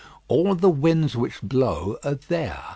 All the winds which blow are there.